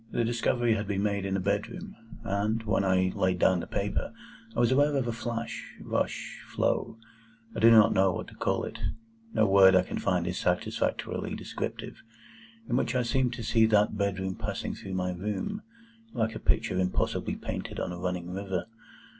The discovery had been made in a bedroom, and, when I laid down the paper, I was aware of a flash—rush—flow—I do not know what to call it,—no word I can find is satisfactorily descriptive,—in which I seemed to see that bedroom passing through my room, like a picture impossibly painted on a running river.